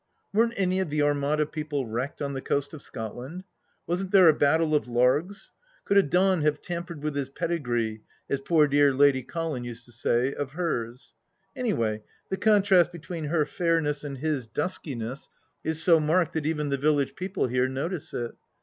Weren't any of the Armada people wrecked on the coast of Scotland ? Wasn't there a battle of Largs ? Could a Don have tampered with his pedigree, as poor dear Lady Colin used to say, of hers ? Any way, the contrast between her fairness and his duskiness is so marked that even the village people here notice it.